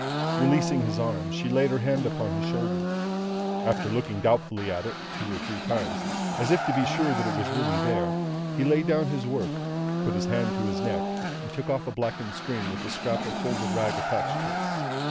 Releasing his arm, she laid her hand upon his shoulder. After looking doubtfully at it, two or three times, as if to be sure that it was really there, he laid down his work, put his hand to his neck, and took off a blackened string with a scrap of folded rag attached to it.